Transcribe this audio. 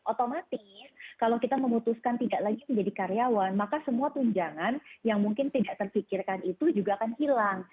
otomatis kalau kita memutuskan tidak lagi menjadi karyawan maka semua tunjangan yang mungkin tidak terpikirkan itu juga akan hilang